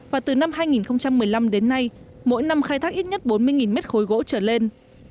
và từ năm hai nghìn một mươi năm đến nay mỗi năm khai thác ít nhất bốn mươi mét khối gỗ trở lên